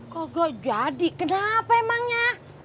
kagak jadi kenapa emangnya